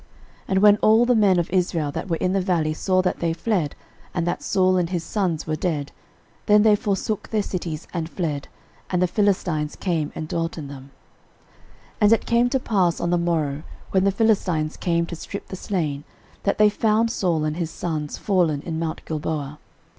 13:010:007 And when all the men of Israel that were in the valley saw that they fled, and that Saul and his sons were dead, then they forsook their cities, and fled: and the Philistines came and dwelt in them. 13:010:008 And it came to pass on the morrow, when the Philistines came to strip the slain, that they found Saul and his sons fallen in mount Gilboa.